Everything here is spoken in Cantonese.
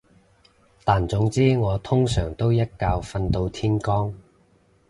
但總之我通常都一覺瞓到天光